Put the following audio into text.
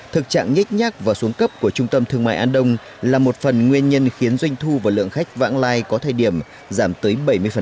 thực trạng nhích nhác và xuống cấp của trung tâm thương mại an đông là một phần nguyên nhân khiến doanh thu và lượng khách vãng lai có thời điểm giảm tới bảy mươi